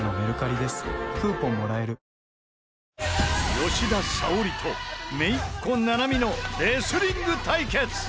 吉田沙保里と姪っ子七名海のレスリング対決！